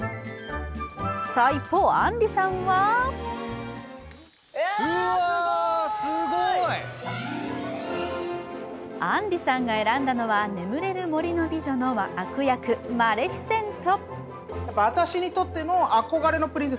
一方、あんりさんはあんりさんが選んだのは「眠れる森の美女」の悪役・マレフィセント。